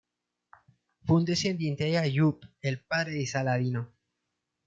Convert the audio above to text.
Fue un descendiente de Ayub, el padre de Saladino.